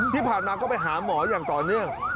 ที่ผ่านมาก็ไปหาหมออย่างต่อเนื่อง